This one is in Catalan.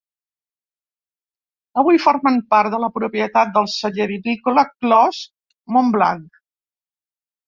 Avui formen part de la propietat del celler vinícola Clos Mont-Blanc.